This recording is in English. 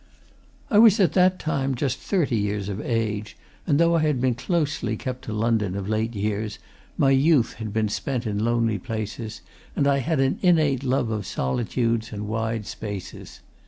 I was at that time just thirty years of age, and though I had been closely kept to London of late years, my youth had been spent in lonely places, and I had an innate love of solitudes and wide spaces.